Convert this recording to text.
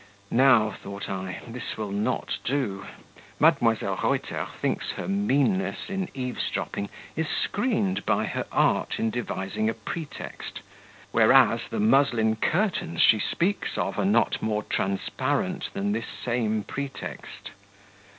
"Now," thought I, "this will not do; Mdlle. Reuter thinks her meanness in eaves dropping is screened by her art in devising a pretext, whereas the muslin curtains she speaks of are not more transparent than this same pretext."